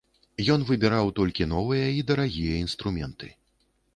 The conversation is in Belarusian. Ён выбіраў толькі новыя і дарагія інструменты.